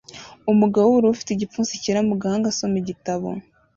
Umugabo wubururu ufite igipfunsi cyera mu gahanga asoma igitabo